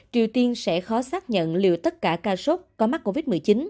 triều tiên sẽ khó xác nhận liệu tất cả ca sốc có mắc covid một mươi chín